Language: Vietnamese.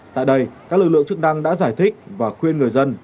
tại đây các lực lượng chức năng đã giải thích và khuyên người dân